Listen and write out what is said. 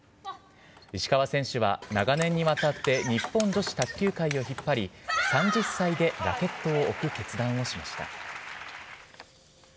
石川選手は長年にわたって、日本女子卓球界を引っ張り、３０歳でラケットを置く決断をしました。